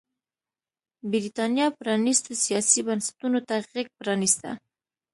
برېټانیا پرانيستو سیاسي بنسټونو ته غېږ پرانېسته.